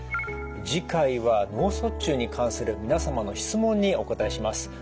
次回は脳卒中に関する皆様の質問にお答えします。